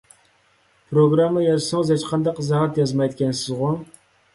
پىروگرامما يازسىڭىز ھېچقانداق ئىزاھات يازمايدىكەنسىزغۇ!